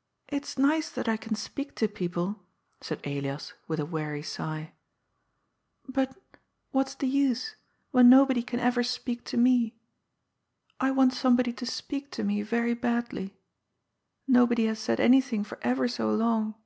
" It's nice that I can speak to people," said Elias, with a weary sigh, "but, what's the use, wben nobody can ever speak to me ? I want somebody to speak to me very badly. Nobody has said anything for ever so long."